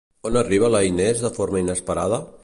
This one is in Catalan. On arriba la Inés de forma inesperada?